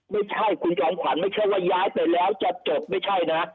ไม่ใช่คุณจอมขวัญไม่ใช่ว่าย้ายไปแล้วจะจบไม่ใช่นะ